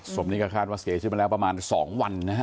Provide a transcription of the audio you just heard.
ส่วนนี้ก็คาดว่าเสร็จมาแล้วประมาณ๒วันนะฮะ